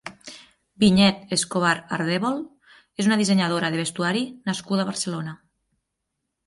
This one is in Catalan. Vinyet Escobar Ardèvol és una dissenyadora de vestuari nascuda a Barcelona.